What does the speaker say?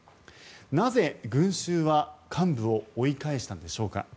なぜ群衆は幹部を追い返したんでしょうか。